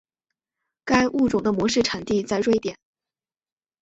该物种的模式产地在瑞典。